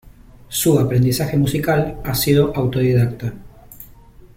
Su aprendizaje musical ha sido autodidacta.